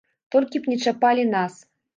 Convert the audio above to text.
Толькі б не чапалі нас.